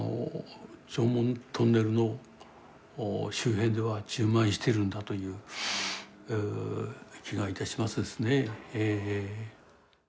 常紋トンネルの周辺では充満してるんだという気がいたしますですねええええ。